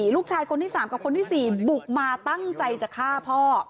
ลูกชายคนที่๓กับคนที่๔บุกมาตั้งใจจะฆ่าพ่อ